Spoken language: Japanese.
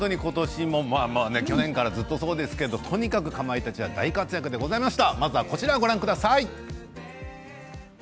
去年からずっとそうなんですけれどもかまいたちは大活躍でございました。